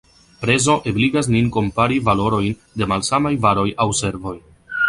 Prezo ebligas nin kompari valorojn de malsamaj varoj aŭ servoj.